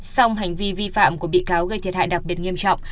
xong hành vi vi phạm của bị cáo gây thiệt hại đặc biệt nghiêm trọng